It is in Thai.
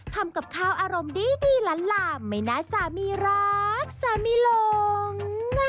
ทำกับข้าวอารมณ์ดีล้านหลามไม่น่าสามีรักสามีหลง